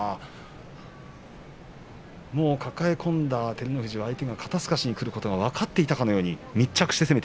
抱え込んだ照ノ富士宇良が肩すかしにくることが分かっていたんでしょうかね